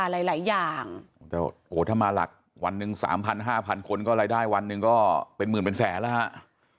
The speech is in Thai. หลายหลายอย่างแต่โอ้ถ้ามาหลักวันหนึ่งสามพันห้าพันคนก็รายได้วันหนึ่งก็เป็นหมื่นเป็นแสนแล้วค่ะ